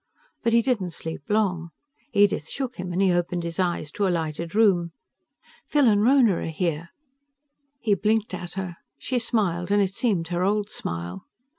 But he didn't sleep long. Edith shook him and he opened his eyes to a lighted room. "Phil and Rhona are here." He blinked at her. She smiled, and it seemed her old smile.